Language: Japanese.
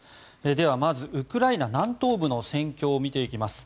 ではまずウクライナ南東部の戦況を見ていきます。